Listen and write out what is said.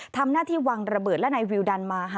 ทำหน้าที่วางระเบิดและนายวิวดันมาค่ะ